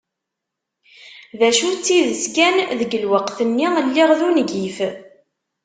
D acu, d tidet kan, deg lweqt-nni lliɣ d ungif.